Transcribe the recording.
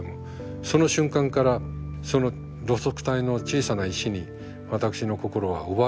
その瞬間からその路側帯の小さな石に私の心は奪われてしまった。